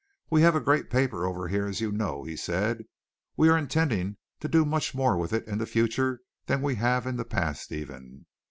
We have a great paper over here, as you know," he said. "We are intending to do much more with it in the future than we have in the past even.